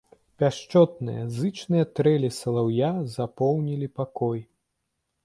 Пяшчотныя, зычныя трэлі салаўя запоўнілі пакой.